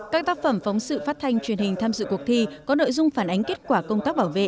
các tác phẩm phóng sự phát thanh truyền hình tham dự cuộc thi có nội dung phản ánh kết quả công tác bảo vệ